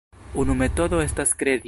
Unu metodo estas kredi.